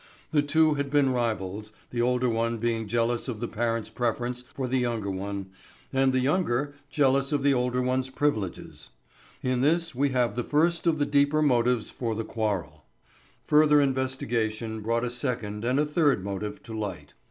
The two had been rivals, the older one being jealous of the parents' preference for the younger one, and the younger jealous of the older one's privileges. In this we have the first of the deeper motives for the quarrel. Further investigation brought a second and a third motive to light.